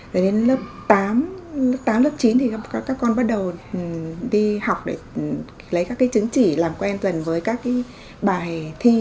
rồi đến lớp tám lớp chín thì các con bắt đầu đi học để lấy các chứng chỉ làm quen dần với các bài